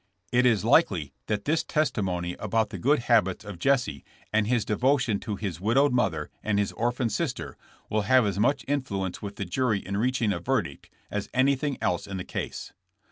It THE TRIAL FOR TRAIN ROBBERY. 169 is likely that this testimony about the good habits of Jesse and his devotion to his widowed mother and his orphaned sister will have as much influence with the jury in reaching a verdict as anything else in the case.